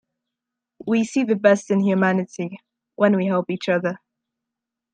We see the best in humanity when we help each other.